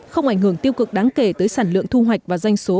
không ảnh hưởng tiêu cực đáng kể tới sản lượng thu hoạch và doanh số